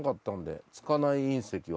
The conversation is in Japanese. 付かない隕石は。